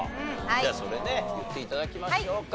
じゃあそれね言って頂きましょうか。